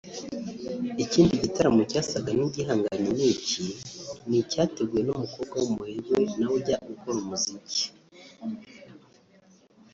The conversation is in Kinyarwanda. ikindi gitaramo cyasaga n’igihanganye n’iki ni icyateguwe n’umukobwa w’umuherwe nawe ujya ukora muzika